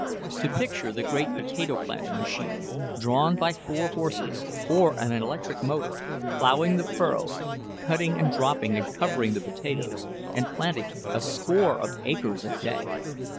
To picture the great potato planting machine, drawn by four horses, or an electric motor, ploughing the furrow, cutting and dropping and covering the potatoes, and planting a score of acres a day!